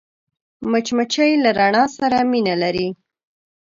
مچمچۍ له رڼا سره مینه لري